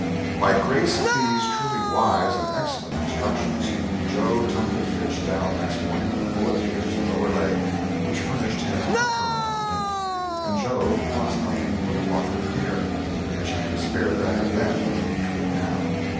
By grace of these truly wise and excellent instructions, Joe tumbled Fitch down next morning with a bullet through his lower leg, which furnished him a permanent limp. And Joe lost nothing but a lock of hair, which he could spare better then than he could now.